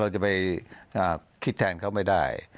จะไปคิดแทนเขาไม่ได้